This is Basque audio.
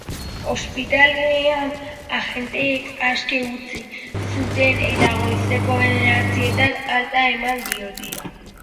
Ospitalean, agenteek aske utzi zuten eta goizeko bederatzietan alta eman diote.